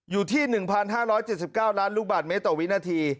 อยู่ที่๑๕๗๙ล้านลูกบาทเมตรต่อวินาที